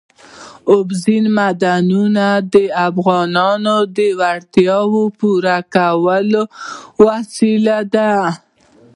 اوبزین معدنونه د افغانانو د اړتیاوو د پوره کولو وسیله ده.